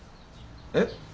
えっ？